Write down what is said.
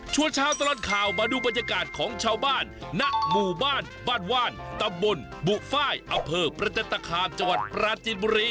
เช้าตลอดข่าวมาดูบรรยากาศของชาวบ้านณหมู่บ้านบ้านว่านตำบลบุฟ้ายอำเภอประจันตคามจังหวัดปราจีนบุรี